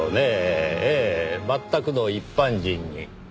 ええ全くの一般人に。